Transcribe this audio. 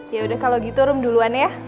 ya udah kalau gitu rum duluan ya